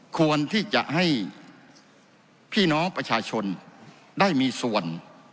ควรที่จะให้พี่น้องประชาชนได้มีส่วน